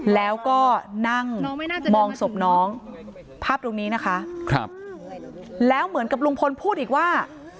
แล้วก็นั่งมองศพน้องภาพตรงนี้นะคะครับแล้วเหมือนกับลุงพลพูดอีกว่า